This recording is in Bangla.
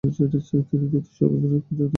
তিনি তৃতীয় সর্বাধিনায়ক নিযুক্ত হন।